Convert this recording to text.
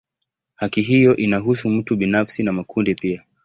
Haki hiyo inahusu mtu binafsi na makundi pia.